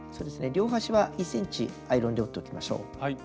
両端は１ｃｍアイロンで折っておきましょう。